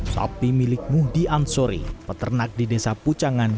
sapi milik muhdi amsori peternak di desa pucangan